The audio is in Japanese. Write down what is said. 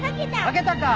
書けたか。